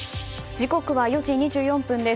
時刻は４時２４分です。